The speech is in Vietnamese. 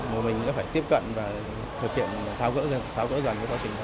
mà mình phải tiếp cận và thực hiện tháo gỡ dần